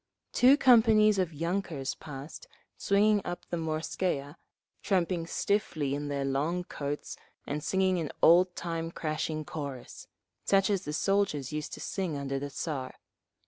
Two companies of yunkers passed swinging up the Morskaya, tramping stiffly in their long coats and singing an oldtime crashing chorus, such as the soldiers used to sing under the Tsar….